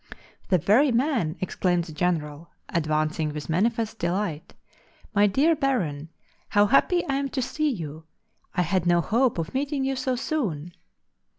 "The very man!" exclaimed the General, advancing with manifest delight. "My dear Baron, how happy I am to see you, I had no hope of meeting you so soon."